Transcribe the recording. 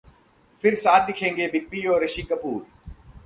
फिर साथ दिखेंगे बिग बी और ऋषि कपूर